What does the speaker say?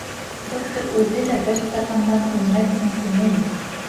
Доктор үҙе лә, бер стакандан үлмәҫһең, тине бит.